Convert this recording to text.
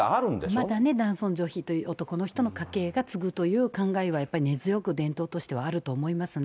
まだね、男尊女卑という、男の人の家系が継ぐという考えは、根強く伝統としてはあると思いますね。